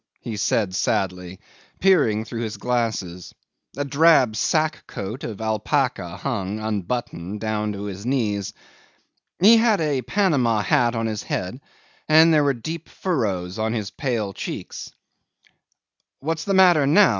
he said sadly, peering through his glasses. A drab sack coat of alpaca hung, unbuttoned, down to his knees. He had a Panama hat on his head, and there were deep furrows on his pale cheeks. "What's the matter now?"